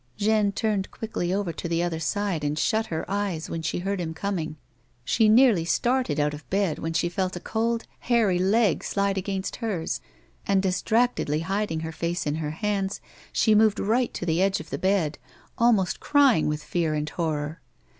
Jeanne turned quickly over to the other side and shut her eyes when she heard him coming. She nearly started out of bed when she^ felt a cold, hairy leg slide against hers, and, dis tractedly hiding her face in her hands, she moved right to the edge of the bed, almost crying with fear and horror.